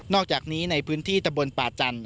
อกจากนี้ในพื้นที่ตะบนป่าจันท